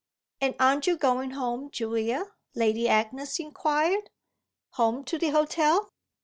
"And aren't you going home, Julia?" Lady Agnes inquired. "Home to the hotel?"